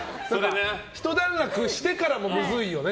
ひと段落してからもムズいよね